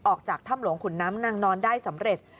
ออกจากถ้ำหลวงขุนน้ำนางนอนได้สำเร็จ